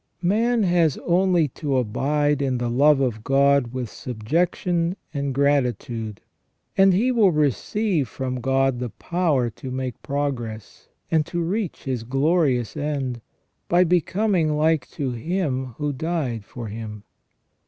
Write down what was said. Man has only to abide in the love of God with subjection and gratitude, and He will receive from God the power to make progress, and to reach His glorious end, by becoming like to Him who died for him.